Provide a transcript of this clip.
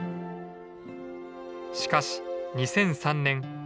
しかし２００３年。